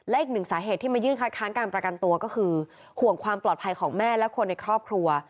และอีกหนึ่งสาเหตุที่มายื่นคัดค้างการประกันตัวก็คือห่วงความปลอดภัยของแม่และคนในครอบครัว